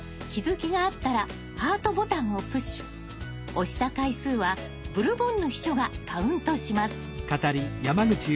押した回数はブルボンヌ秘書がカウントします。